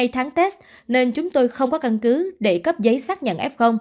hai tháng test nên chúng tôi không có căn cứ để cấp giấy xác nhận f